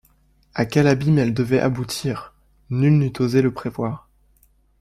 À quel abîme elle devait aboutir, nul n’eût osé le prévoir.